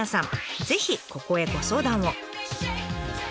ぜひここへご相談を。